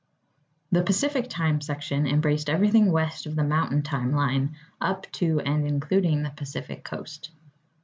The Pacific Time Section embraced everything west of the Mountain Time line, up to and including the Pacific coast.